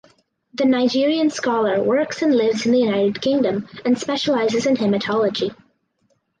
The Nigerian scholar works and lives in the United Kingdom and specialises in Hematology.